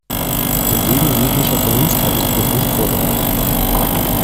Entgegen jeglicher Vernunft hatte ich mich nicht vorbereitet.